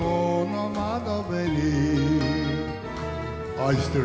「愛してる」。